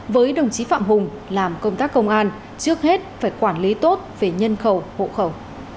với đồng chí phạm hùng làm công tác công an trước hết phải quản lý tốt về nhân khẩu hộ khẩu